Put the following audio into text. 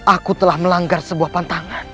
aku telah melanggar sebuah pantangan